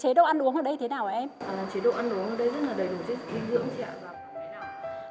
chế độ ăn uống ở đây rất là đầy đủ rất là thiên dưỡng chị ạ